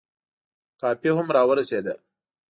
کافي هم را ورسېده.